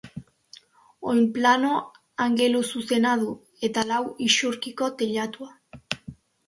Oinplano angeluzuzena du, eta lau isurkiko teilatua.